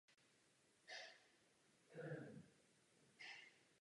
V rámci federálního parlamentu zastával trvale vedoucí posty.